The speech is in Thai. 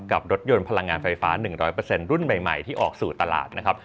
กับรถยนต์พลังงานไฟฟ้า๑๐๐รุ่นใหม่ที่ออกสู่ตลาดนะครับ